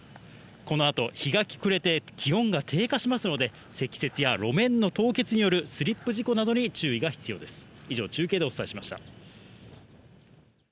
このあと日が暮れて気温が低下しますので、積雪や路面の凍結によるスリップ事故などに注意が必要です。